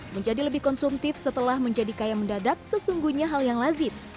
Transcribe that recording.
menjadi lebih konsumtif setelah menjadi kaya mendadak sesungguhnya hal yang lazim